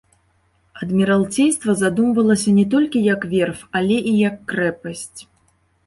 Адміралцейства задумвалася не толькі як верф, але і як крэпасць.